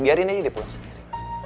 biarin aja dia pulang sendiri